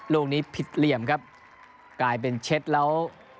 ลูกนี้ผิดเหลี่ยมครับกลายเป็นเช็ดแล้ว